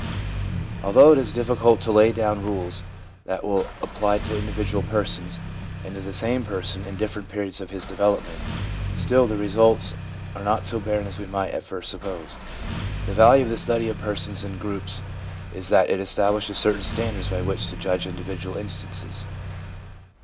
Although it is difficult to lay down rules that will apply to individual persons, and to the same person in different periods of his development, still the results are not so barren as we might at first suppose. The value of the study of persons in groups is that it establishes certain standards by which to judge individual instances.